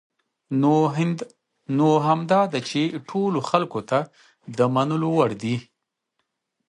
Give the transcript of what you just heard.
نو همدا ده چې ټولو خلکو ته د منلو وړ دي .